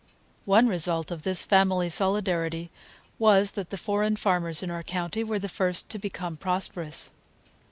One result of this family solidarity was that the foreign farmers in our county were the first to become prosperous.